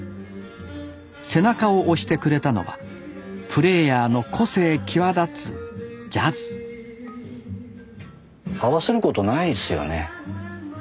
背中を押してくれたのはプレーヤーの個性際立つジャズ合わせることないですよね周りに。